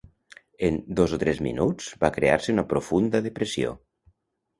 En dos o tres minuts va crear-se una profunda depressió.